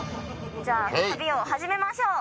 じゃあ旅を始めましょう！